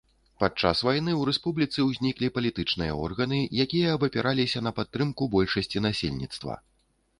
Падчас вайны ў рэспубліцы ўзніклі палітычныя органы, якія абапіраліся на падтрымку большасці насельніцтва.